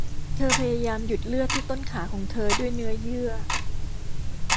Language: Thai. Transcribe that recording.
เธอพยายามหยุดเลือดที่ต้นขาของเธอด้วยเนื้อเยื่อ